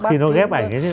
khi nó ghép ảnh ấy